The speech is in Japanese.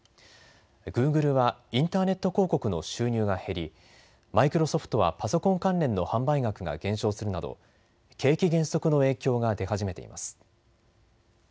グーグルはインターネット広告の収入が減り、マイクロソフトはパソコン関連の販売額が減少するなど景気減速の影響が出始めています。